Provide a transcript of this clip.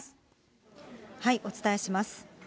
お伝えします。